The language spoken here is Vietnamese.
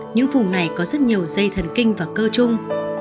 những vùng này có rất nhiều dây thần kinh và cơ chung